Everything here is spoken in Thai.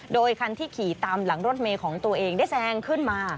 โดยรถที่ขี่ตามหลังรถเมซึ่งของตัวเองได้เสรงขึ้นมา